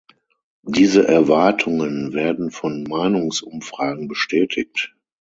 Diese Erwartungen werden von Meinungsumfragen bestätigt.